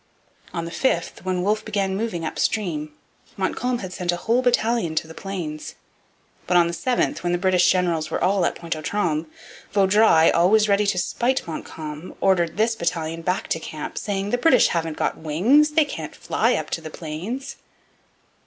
On the 5th, when Wolfe began moving up stream, Montcalm had sent a whole battalion to the Plains. But on the 7th, when the British generals were all at Pointe aux Trembles, Vaudreuil, always ready to spite Montcalm, ordered this battalion back to camp, saying, 'The British haven't got wings; they can't fly up to the Plains!'